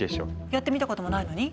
やってみたこともないのに？